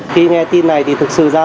khi nghe tin này thì thực sự ra